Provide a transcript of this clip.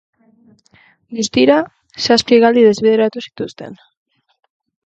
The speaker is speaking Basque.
Guztira, zazpi hegaldi desbideratu zituzten.